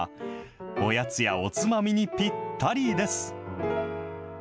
おやつやおつまみにぴったりです。